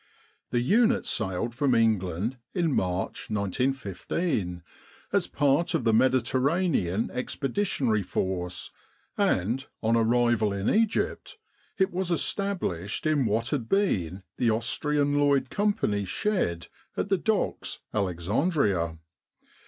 The unit sailed from England in March, 1915, as part of the Mediterranean Expeditionary Force, and, on arrival in Egypt, it was established in what had been the Austrian Lloyd Company's shed at the docks, Alexandria.